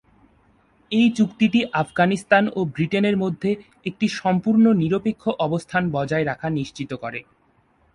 এই চুক্তিটি আফগানিস্তান ও ব্রিটেনের মধ্যে একটি সম্পূর্ণ নিরপেক্ষ অবস্থান বজায় রাখা নিশ্চিত করে।